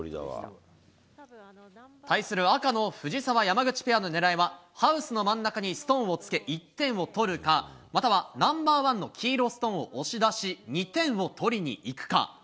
対する赤の藤澤・山口ペアの狙いは、ハウスの真ん中にストーンをつけ１点を取るか、またはナンバーワンの黄色ストーンを押し出し、２点を取りにいくか。